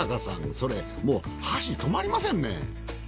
それもう箸止まりませんね。